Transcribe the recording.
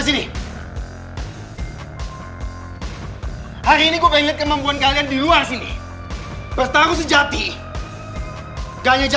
sampai jumpa di video selanjutnya